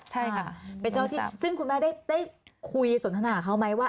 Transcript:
ใช่ค่ะเป็นเจ้าที่ซึ่งคุณแม่ได้คุยสนทนาเขาไหมว่า